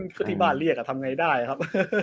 ก็ต้องกลับที่บ้านเรียกทำยังไงได้ครับ